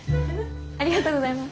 ありがとうございます。